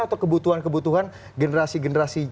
atau kebutuhan kebutuhan generasi generasi